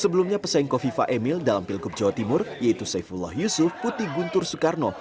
sebelumnya pesaing kofifa emil dalam pilgub jawa timur yaitu saifullah yusuf putih guntur soekarno